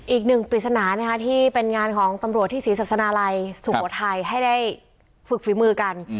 อีกหนึ่งปริศนาที่เป็นงานของตำรวจที่ศรีศาสนาลัยสุโขทัยให้ได้ฝึกฝีมือกัน